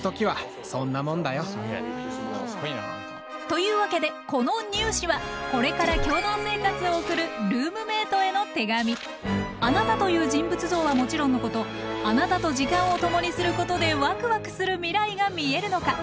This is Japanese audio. というわけでこのニュー試はこれからあなたという人物像はもちろんのことあなたと時間を共にすることでワクワクする未来が見えるのか。